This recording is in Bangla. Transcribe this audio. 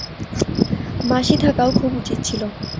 মাসি থাকাও খুব উচিত ছিল।